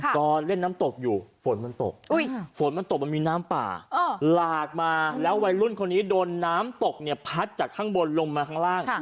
ตอนเล่นน้ำตกอยู่ฝนมันตกฝนมันตกมันมีน้ำป่าหลากมาแล้ววัยรุ่นคนนี้โดนน้ำตกเนี่ยพัดจากข้างบนลงมาข้างล่าง